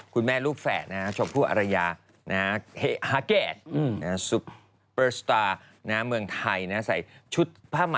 คุณแม่ลูกแฝดชมพูอารยาฮาเกด